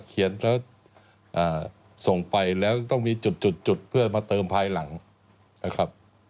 เขียนแล้วส่งไปแล้วจะต้องมีจุดเพื่อมาเติมภายหลังนะครับ